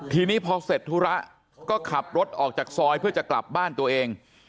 ทีนี้พอเสร็จธุระก็ขับรถออกจากซอยเพื่อจะกลับบ้านตัวเอง